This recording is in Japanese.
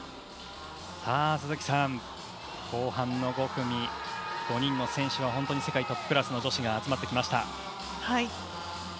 鈴木さん、後半の５組５人の選手は世界トップクラスの女子が集まってきました。